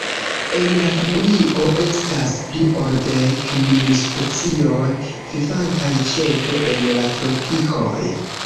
En la familio estas pli ol dek mil specioj, vivantaj ĉefe en la tropikoj.